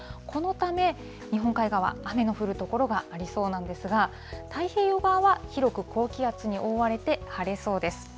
このため、日本海側、雨の降る所がありそうなんですが、太平洋側は広く高気圧に覆われて晴れそうです。